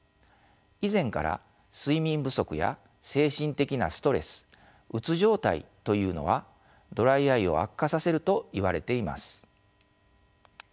以前から睡眠不足や精神的なストレスうつ状態というのはドライアイを悪化させるといわれています。